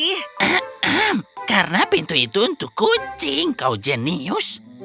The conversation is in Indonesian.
karena pintu itu untuk kucing kau jenius